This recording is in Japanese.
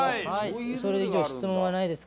それ以上、質問はないですか？